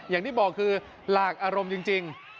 อย่างที่บอกคือหลากอารมณ์จริง